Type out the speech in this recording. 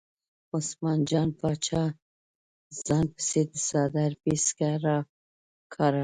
عثمان جان باچا ځان پسې د څادر پیڅکه راکاږله.